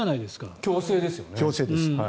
強制です。